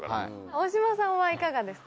大島さんはいかがですか？